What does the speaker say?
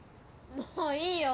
もういいよ